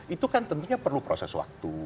itu kan tentunya perlu proses waktu